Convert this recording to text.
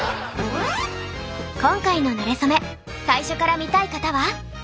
今回の「なれそめ」最初から見たい方は。